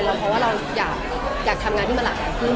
เราเพราะว่าเราอยากทำงานที่มาหลายครึ่ง